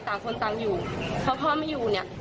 ต่างคนต่างอยู่เพราะพ่อไม่อยู่เนี่ย